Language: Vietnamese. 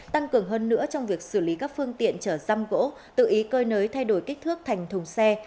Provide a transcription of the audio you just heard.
tăng cường hơn nữa trong việc xử lý các phương tiện chở răm gỗ tự ý cơi nới thay đổi kích thước thành thùng xe